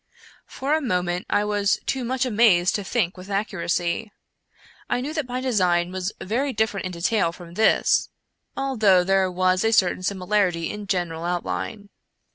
For a moment I was too much amazed to think with accuracy. I knew that my design was very different in detail from this — although there was a certain similarity in general outline.